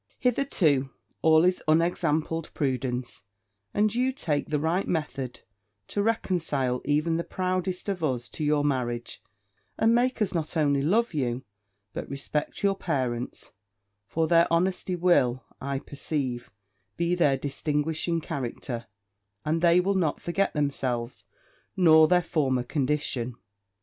Hitherto all is unexampled prudence, and you take the right method to reconcile even the proudest of us to your marriage, and make us not only love you, but respect your parents: for their honesty will, I perceive, be their distinguishing character, and they will not forget themselves, nor their former condition.